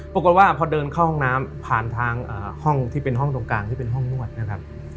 ปรากฏว่าพอเดินเข้าห้องน้ำผ่านทางห้องที่เป็นห้องตรงกลางที่เป็นห้องนวดนะครับ